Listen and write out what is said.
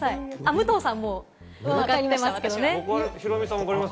武藤さん、分かってますかね？